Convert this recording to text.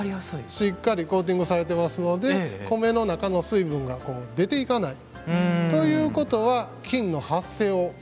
しっかりコーティングされてますので米の中の水分がこう出ていかない。ということは菌の発生を抑えれるっていうことなんです。